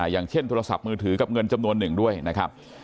อย่างเช่นโทรศัพท์มือถือกับเงินจำนวนหนึ่งด้วยนะครับ